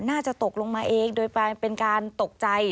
น่าจะตกลงมาเองโดยเป็นการตกใจ